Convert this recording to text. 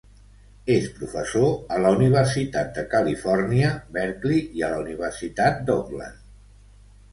És professor a la Universitat de Califòrnia, Berkeley i a la Universitat d'Auckland.